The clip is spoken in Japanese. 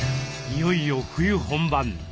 いよいよ冬本番。